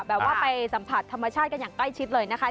แบบว่าไปสัมผัสธรรมชาติกันอย่างใกล้ชิดเลยนะคะ